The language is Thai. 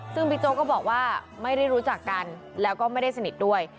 ซึ่งบิ๊กโจ๊กก็บอกว่าไม่ได้รู้จักกันแล้วก็ไม่ได้สนิทด้วย